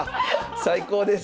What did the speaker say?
最高です！